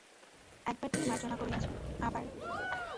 একবার তিনি মার্জনা করিয়াছেন, আবার–।